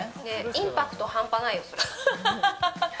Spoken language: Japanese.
インパクト半端ないよ。